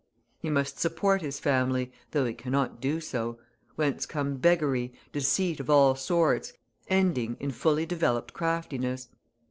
He must support his family, though he cannot do so, whence come beggary, deceit of all sorts, ending in fully developed craftiness.